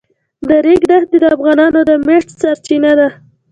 د ریګ دښتې د افغانانو د معیشت سرچینه ده.